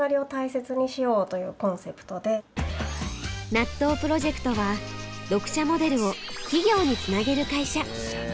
ナットープロジェクトは読者モデルを企業につなげる会社。